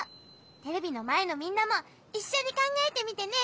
テレビのまえのみんなもいっしょにかんがえてみてね！